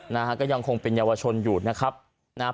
นะฮะก็ยังคงเป็นเยาวชนอยู่นะครับนะฮะ